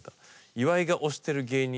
「岩井が推してる芸人